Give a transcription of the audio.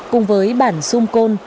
cùng với bản xung côn